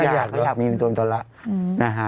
อยากมีเป็นตัวเป็นตนละ